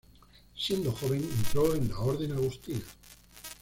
Siendo joven entró en la orden agustina.